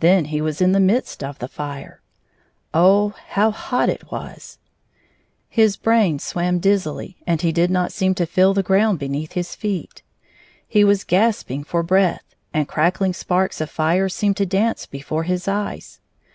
Then he was in the midst of the fire. Oh, how hot it was ! His 109 brain swam dizzily, and he did not seem to feel the ground beneath his feet He was gasping for breath, and crackling sparks of fire seemed to dance before his eyes.